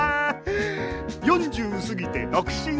４０過ぎて独身さ。